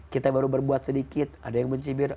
kita baru berbuat sedikit ada yang mencibir